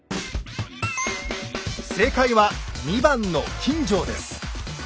正解は２番の錦城です。